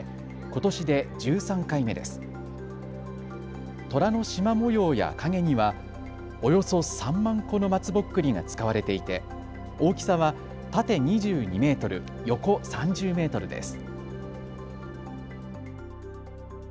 とらのしま模様や影にはおよそ３万個の松ぼっくりが使われていて大きさは縦２２メートル、横３０メートルです。